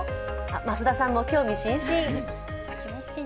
増田さんも興味津々。